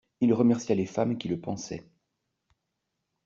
Il remercia les femmes qui le pansaient.